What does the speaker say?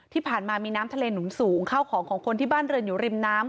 ที่ผ่านมามีน้ำทะเลหนุนสูงเข้าของของคนที่บ้านเรือนอยู่ริมน้ำ